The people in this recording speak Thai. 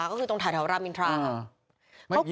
ยิงมา๑๒นัฐตายมั้ย